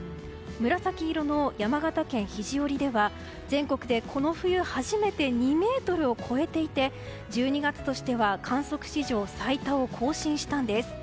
紫色の山形県肘折では全国でこの冬初めて２ｍを超えていて１２月としては観測史上最多を更新したんです。